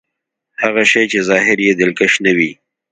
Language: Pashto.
هغه شی چې ظاهر يې دلکش نه وي.